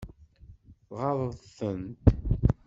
Tɣaḍeḍ-tent?